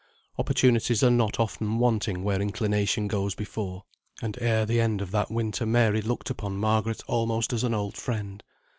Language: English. Opportunities are not often wanting where inclination goes before, and ere the end of that winter Mary looked upon Margaret almost as an old friend.